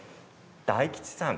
大吉さん